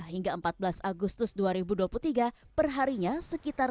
sembilan puluh lima hingga empat belas agustus dua ribu dua puluh tiga perharinya sekitar